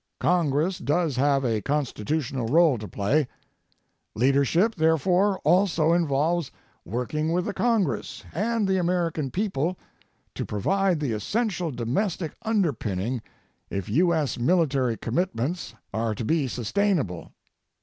Congress does have a constitutional role to play. Leadership therefore also involves working with the Congress and the American people to provide the essential domestic underpinning if U.S. military commitments are to be sustainable.